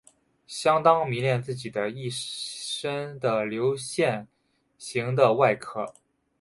相当迷恋自己的一身的流线型的外壳。